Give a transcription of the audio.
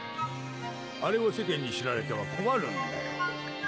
あれを世間に知られては困るんだよ。